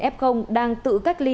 tám mươi ba f đang tự cách ly